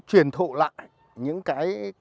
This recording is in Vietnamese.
truyền thụ lại những cái